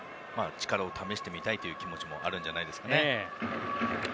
力を試してみたいという気持ちもあるんじゃないですかね。